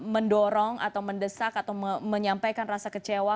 mendorong atau mendesak atau menyampaikan rasa kecewa